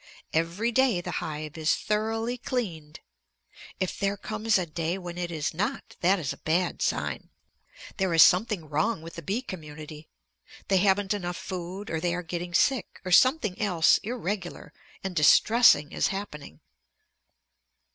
Every day the hive is thoroughly cleaned. If there comes a day when it is not, that is a bad sign. There is something wrong with the bee community. They haven't enough food, or they are getting sick, or something else irregular and distressing is happening.